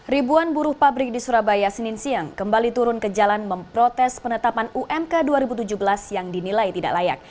ribuan buruh pabrik di surabaya senin siang kembali turun ke jalan memprotes penetapan umk dua ribu tujuh belas yang dinilai tidak layak